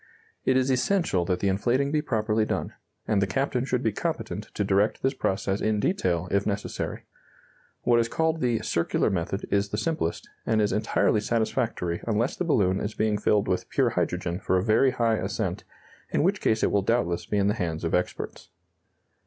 It is essential that the inflating be properly done, and the captain should be competent to direct this process in detail, if necessary. What is called the "circular method" is the simplest, and is entirely satisfactory unless the balloon is being filled with pure hydrogen for a very high ascent, in which case it will doubtless be in the hands of experts.